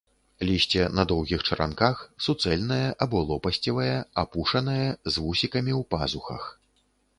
Лісце на доўгіх чаранках, суцэльнае або лопасцевае, апушанае, з вусікамі ў пазухах.